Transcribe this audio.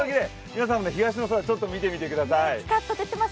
皆さんも東の空ちょっと見てみてください。